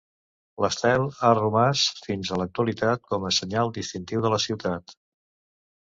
L'estel ha romàs fins a l'actualitat com a senyal distintiu de la ciutat.